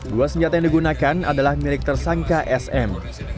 dua senjata yang digunakan adalah milik tersangka sm